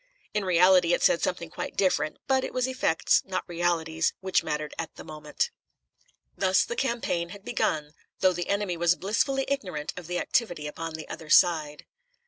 In reality it said something quite different, but it was effects, not realities, which mattered at the moment. Thus the campaign had begun, though the enemy was blissfully ignorant of the activity upon the other side.